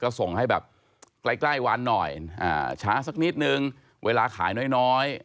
ก็ส่งให้แบบใกล้วันหน่อยช้าสักนิดนึงเวลาขายน้อย